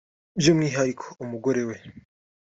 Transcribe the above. by’umwihariko umugore we